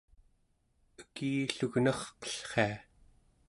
ekillugnarqellria